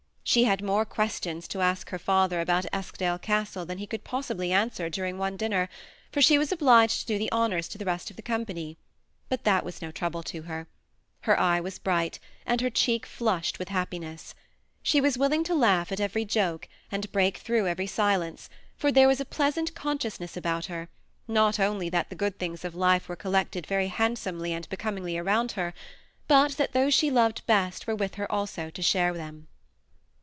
She had more questions to ask her father about Eskdale Castle than he could possibly answer during one dixmer, for she was obliged to do the honors to the rest of the company ; but that was no trouble to her. Her eye was bright, and her cheek flushed with happiness. She was willing to laugh at every joke, and to break through 94 THs BEm^AjnAJOusay eoupiie. every silence, for there was a pleasant consciousness about her, not only that the good thJpg^ of life were collected very handsomely and becominghjr around her, but that those she loved be^t were with her to shai?^ them.